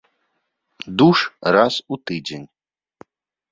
Душ раз у тыдзень.